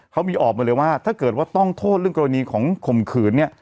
เขามีออกมาเลยว่าถ้าเกิดว่าต้องโทษเรื่องกรณีของข่มขืนเนี่ย